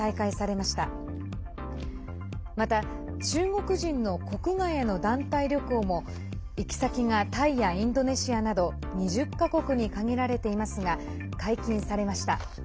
また、中国人の国外への団体旅行も行き先がタイやインドネシアなど２０か国に限られていますが解禁されました。